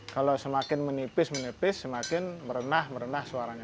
kalau semakin menipis menipis semakin merenah merenah suaranya